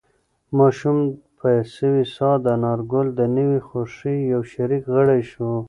ماشوم په سوې ساه د انارګل د نوې خوښۍ یو شریک غړی شو.